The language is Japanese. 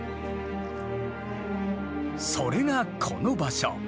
それがこの場所。